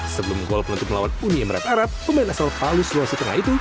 sebelum gol penutup melawan uni emirat arab pemain asal palu sulawesi tengah itu